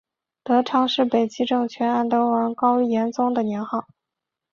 德昌是北齐政权安德王高延宗的年号。